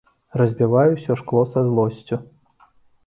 Разбіваю ўсё шкло са злосцю.